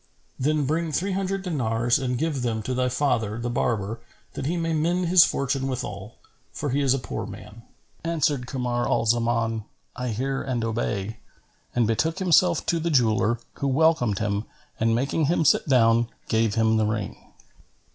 Then bring three hundred dinars and give them to thy father the barber that he may mend his fortune withal, for he is a poor man." Answered Kamar al Zaman, "I hear and obey," and betook himself to the jeweller, who welcomed him and making him sit down, gave him the ring.